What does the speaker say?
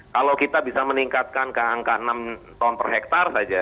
kalau kita bisa meningkatkan ke angka enam ton per hektare saja